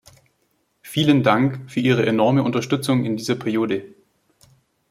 Vielen Dank für Ihre enorme Unterstützung in dieser Periode.